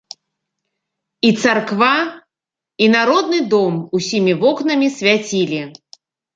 І царква, і народны дом усімі вокнамі свяцілі.